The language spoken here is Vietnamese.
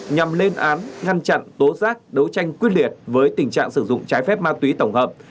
nhằm lên án ngăn chặn tố giác đấu tranh quyết liệt với tình trạng sử dụng trái phép ma túy tổng hợp